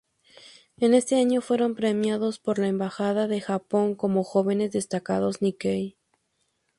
En ese año fueron premiados por la Embajada de Japón como "Jóvenes destacados Nikkei".